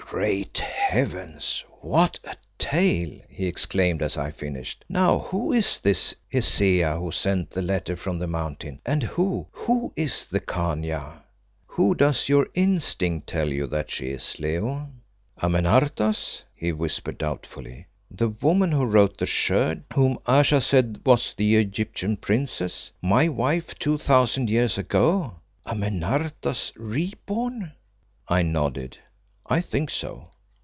"Great Heavens! what a tale," he exclaimed as I finished. "Now, who is this Hesea who sent the letter from the Mountain? And who, who is the Khania?" "Who does your instinct tell you that she is, Leo?" "Amenartas?" he whispered doubtfully. "The woman who wrote the Sherd, whom Ayesha said was the Egyptian princess my wife two thousand years ago? Amenartas re born?" I nodded. "I think so.